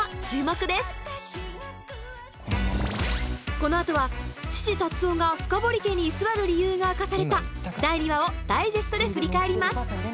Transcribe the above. このあとは父・達男が深堀家に居座る理由が明かされた第２話をダイジェストで振り返ります